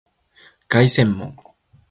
凱旋門